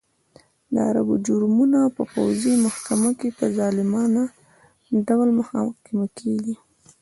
د عربو جرمونه په پوځي محکمه کې په ظالمانه ډول محاکمه کېږي.